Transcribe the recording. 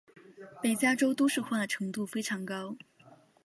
北加州都市化程度非常高。